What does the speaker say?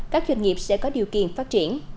các doanh nghiệp sẽ có điều kiện phát triển